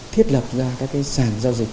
thiết lập ra các sàn giao dịch